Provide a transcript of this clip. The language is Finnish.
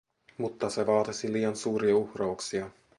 Mutta se vaatisi liian suuria uhrauksia;